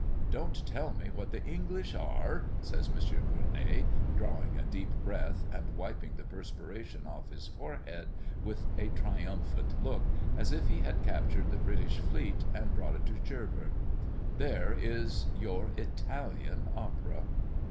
Don't tell me what the English are!" says M. Gueronnay, drawing a deep breath, and wiping the perspiration off his forehead with a triumphant look, as if he had captured the British fleet and brought it to Cherbourg. "There is your Italian Opera!"